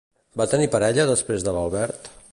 Va tenir parella després de l'Albert?